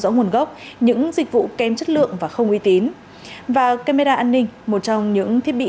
rõ nguồn gốc những dịch vụ kém chất lượng và không uy tín và camera an ninh một trong những thiết bị